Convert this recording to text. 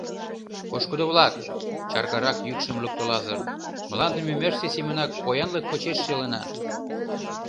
— Пошкудо-влак, — чаргарак йӱкшым лукто Лазыр, — мландым ӱмашсе семынак поянлык почеш шелына.